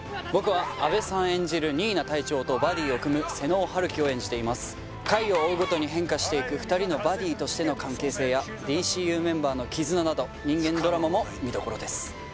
僕は阿部さん演じる新名隊長とバディを組む瀬能陽生を演じています回を追うごとに変化していく２人のバディとしての関係性やＤＣＵメンバーの絆など人間ドラマも見どころです